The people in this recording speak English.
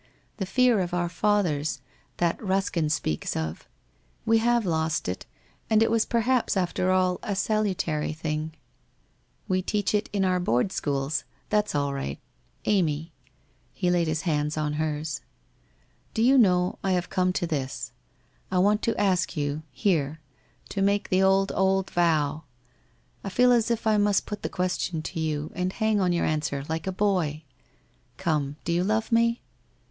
The Fear of our Fathers, that Ruskin speaks of— we have lost it, and it was perhaps after all a salutary thing ?' 'We teach it in our board schools? That's all right. Amy !' he laid his hands on hers. ' Do you know I have come to this — I want to ask you, here, to make the old, old vow. I feel as if I must put the question to you, and hang on your answer, like a boy. Come, do you love me